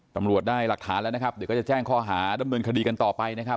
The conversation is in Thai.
ตำรวจได้หลักฐานแล้วนะครับเดี๋ยวก็จะแจ้งข้อหาดำเนินคดีกันต่อไปนะครับ